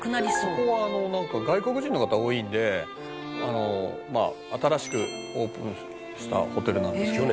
「ここはなんか外国人の方多いんでまあ新しくオープンしたホテルなんですけど」